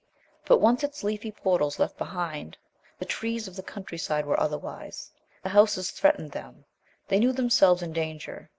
But, once its leafy portals left behind, the trees of the countryside were otherwise. The houses threatened them; they knew themselves in danger.